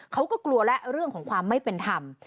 เขาก็กลัวแล้วเรื่องของความไม่เป็นธรรม